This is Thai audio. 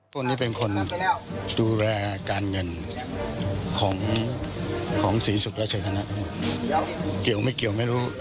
ผู้มีเป็นคนดูแลการเงินของศรีสุขราชภนาภูมิเกี่ยวไม่เกี่ยวไม่รู้